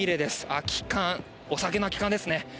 空き缶、お酒の空き缶ですね。